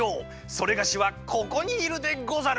それがしはここにいるでござる！